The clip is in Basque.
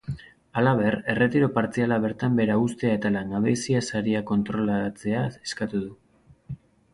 Halaber, erretiro partziala bertan behera uztea eta langabezia-saria kontrolatzea eskatu du.